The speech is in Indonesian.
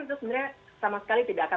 itu sebenarnya sama sekali tidak akan